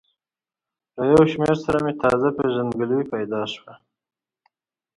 له یو شمېر سره مې تازه پېژندګلوي پیدا شوه.